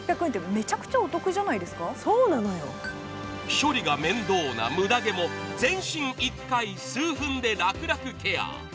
処理が面倒なムダ毛も全身１回、数分で楽々ケア。